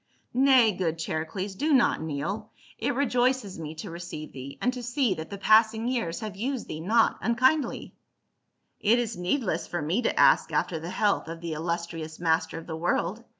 " Nay, good Charicles, do not kneel, it rejoices me 102 PA UL. to receive thee, and to sec that the passing years have used thee not unkindly." " It is needless for me to ask after the health of the illustrious master of the world.